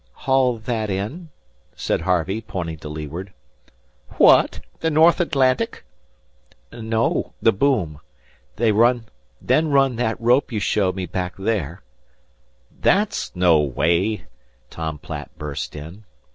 "Haul that in," said Harvey, pointing to leeward. "Fwhat? The North Atlantuc?" "No, the boom. Then run that rope you showed me back there " "That's no way," Tom Platt burst in.